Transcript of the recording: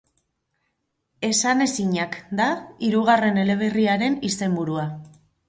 Esanezinak da hirugarren eleberriaren izenburua.